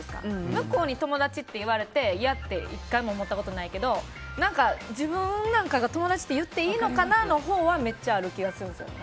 向こうに友達って言われて嫌って１回も思ったことないけど自分なんかが友達って言っていいのかなのほうはめっちゃある気がするんですよね。